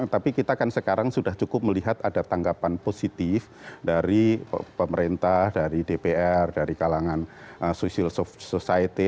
tapi kita kan sekarang sudah cukup melihat ada tanggapan positif dari pemerintah dari dpr dari kalangan social society